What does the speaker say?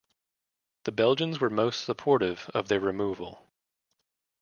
The Belgians were most supportive of their removal.